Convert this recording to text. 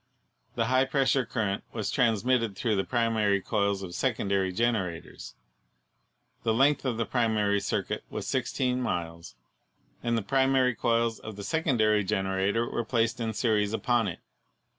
The high pressure current was transmitted through the primary coils of secondary generators. The length of the primary circuit was 16 miles and the primary coils of the secondary generators were placed in series upon it.